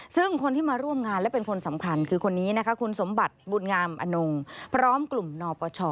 ซึ่งคนที่มาร่วมงานและเป็นคนสำคัญคือคนนี้นะคะคุณสมบัติบุญงามอนงพร้อมกลุ่มนปช